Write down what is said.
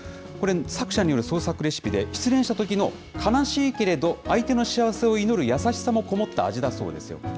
これ、作者による創作レシピで、失恋したときの悲しいけれど相手の幸せを祈る優しさも込もった味だそうですよ。